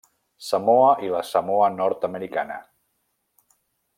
Samoa i la Samoa Nord-americana.